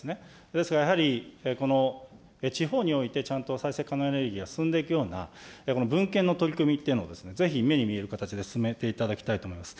ですがやはり、この地方においてちゃんと再生可能エネルギーが進んでいくような、この分権の取り組みっていうのをぜひ目に見える形で進めていただきたいと思います。